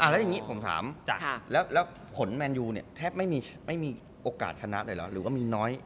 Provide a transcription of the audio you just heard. แล้วอย่างนี้ผมถามแล้วผลแมนยูเนี่ยแทบไม่มีโอกาสชนะเลยเหรอหรือว่ามีน้อย